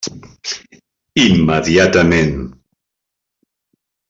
Immediatament.